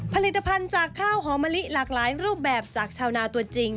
ผลิตภัณฑ์จากข้าวหอมะลิหลากหลายรูปแบบจากชาวนาตัวจริง